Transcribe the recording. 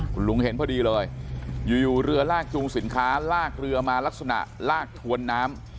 คุณลุงเห็นพอดีเลยอยู่เรือลากจูงสินค้าลากเรือมาลักษณะลากถวนน้ำ